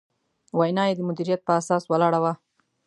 وینا یې د مدیریت په اساس ولاړه وه.